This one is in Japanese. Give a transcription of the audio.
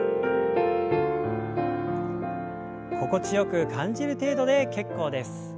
心地よく感じる程度で結構です。